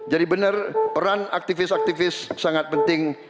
jadi benar peran aktivis aktivis sangat penting